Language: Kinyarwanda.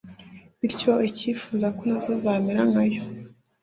bityo ikifuza ko na zo zamera nka yo